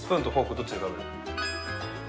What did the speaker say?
どっちで食べる？